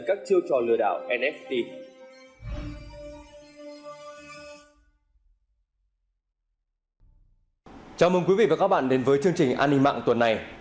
chào mừng quý vị và các bạn đến với chương trình an ninh mạng tuần này